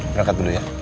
berangkat dulu ya